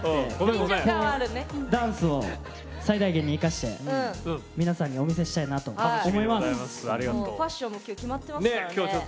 ダンスを最大限に生かして皆さんにお見せしたいと思います。